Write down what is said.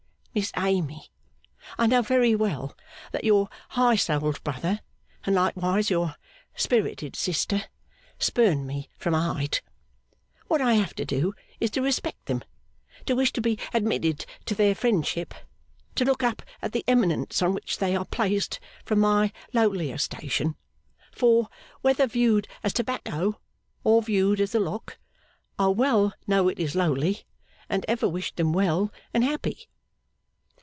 Miss Amy, I know very well that your high souled brother, and likewise your spirited sister, spurn me from a height. What I have to do is to respect them, to wish to be admitted to their friendship, to look up at the eminence on which they are placed from my lowlier station for, whether viewed as tobacco or viewed as the lock, I well know it is lowly and ever wish them well and happy.